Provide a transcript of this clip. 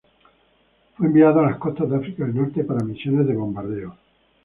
Fue enviado a las costas de África del Norte para misiones de bombardeo.